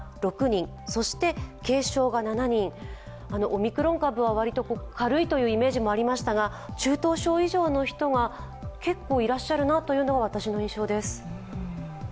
オミクロン株は割と軽いというイメージもありましたが、中等症以上の人が結構いらっしゃるなというのが私の印象です。